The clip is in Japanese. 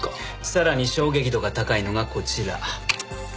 さらに衝撃度が高いのがこちら。